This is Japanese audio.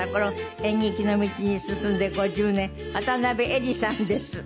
演劇の道に進んで５０年渡辺えりさんです。